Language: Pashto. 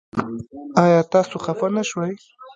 ایا تاسو خفه نه شوئ؟